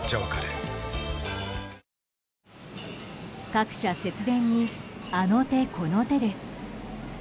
各社、節電にあの手この手です。